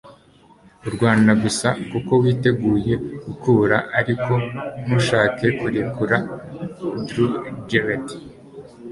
urwana gusa kuko witeguye gukura ariko ntushake kurekura - drew gerald